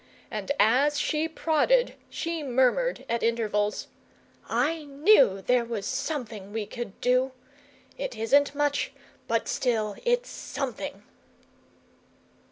And as she prodded she murmured at intervals, "I KNEW there was something we could do! It isn't much but still it's SOMETHING!"